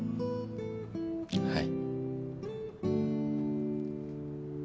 はい。